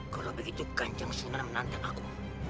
kalau begitu ganjang sunan menandatanganku